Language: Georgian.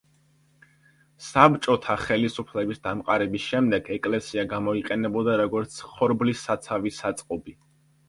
საბჭოტა ხელისუფლების დამყარების შემდეგ ეკლესია გამოიყენებოდა როგორც ხორბლის საცავი საწყობი.